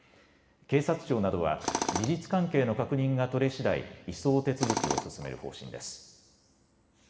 警察庁などは事実関係の確認が取れしだい移送手続きを進める方針です。